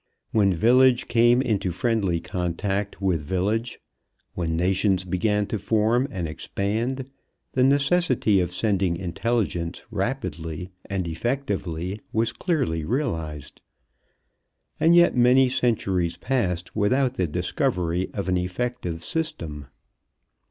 When village came into friendly contact with village, when nations began to form and expand, the necessity of sending intelligence rapidly and effectively was clearly realized. And yet many centuries passed without the discovery of an effective system.